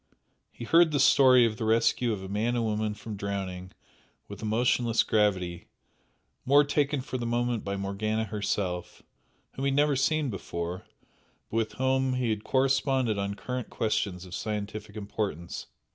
He heard the story of the rescue of a man and woman from drowning with emotionless gravity, more taken for the moment by Morgana herself, whom he had never seen before, but with whom he had corresponded on current questions of scientific importance.